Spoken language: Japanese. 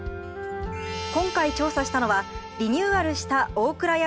今回調査したのはリニューアルしたオークラヤ